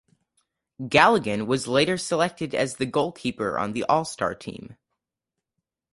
Galligan was later selected as the goalkeeper on the All Star team.